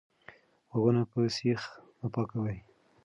غوږونه په سیخ مه پاکوئ.